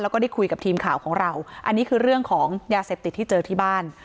แล้วก็ได้คุยกับทีมข่าวของเราอันนี้คือเรื่องของยาเสพติดที่เจอที่บ้าน